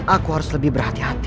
aku harus lebih berhati hati